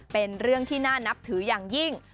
เป็นเรื่องที่น่านับถืออย่างยิ่ง